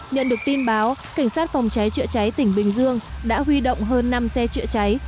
nhận được tin báo cảnh sát phòng cháy chữa cháy tỉnh bình dương đã huy động hơn năm xe chữa cháy